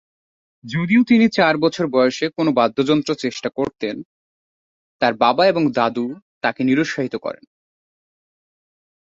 যদিও তিনি চার বছর বয়সে কোনও বাদ্যযন্ত্র চেষ্টা করতেন, তার বাবা এবং দাদু তাকে নিরুৎসাহিত করেন।